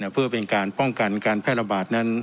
เพื่อเป็นการป้องกันการแพร่ระบาดนั้น